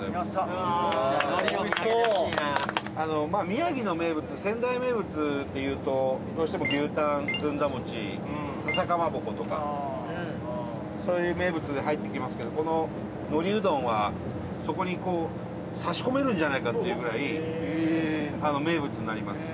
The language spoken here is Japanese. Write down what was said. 宮城の名物仙台名物っていうとどうしても、牛タン、ずんだ餅笹かまぼことかそういう名物が入ってきますけどこの、のりうどんはそこに、差し込めるんじゃないかっていうぐらい名物になります。